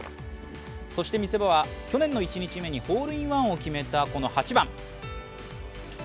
見せ場は、去年の１日目のホールインワンを決めたこの８番。